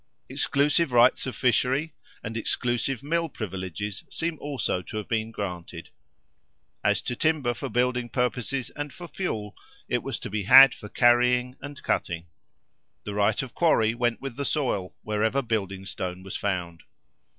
Exclusive rights of fishery, and exclusive mill privileges seem also to have been granted. As to timber for building purposes and for fuel, it was to be had for carrying and cutting. The right of quarry went with the soil, wherever building stone was found.